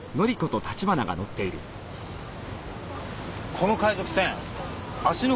この海賊船芦ノ